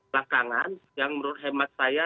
belakangan yang menurut hemat saya